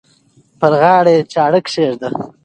پر غاړه یې چاړه کښېږده.